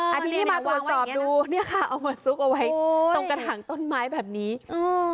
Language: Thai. ทีนี้มาตรวจสอบดูเนี้ยค่ะเอามาซุกเอาไว้ตรงกระถางต้นไม้แบบนี้อืม